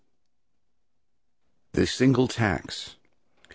THE SINGLE TAX.